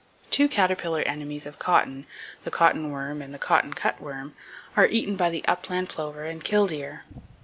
Two caterpillar enemies of cotton, the cotton worm and the cotton cutworm, are eaten by the upland plover and killdeer.